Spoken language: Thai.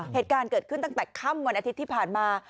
เหตุการณ์เกิดขึ้นตั้งแต่ค่ำวันอาทิตย์ที่ผ่านมา